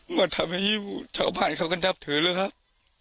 ว่าทำให้ชาวบ้านเขาก็นับถือเลยครับ